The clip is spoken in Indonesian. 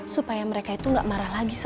supaya mereka itu gak marah lagi